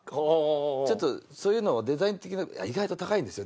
ちょっとそういうのはデザイン的な意外と高いんですよ